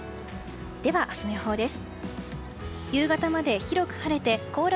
では、明日の予報です。